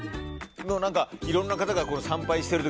いろんな方が参拝している時